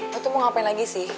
aku tuh mau ngapain lagi sih